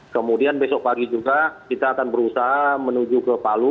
kemudian besok pagi juga kita akan berusaha menuju ke palu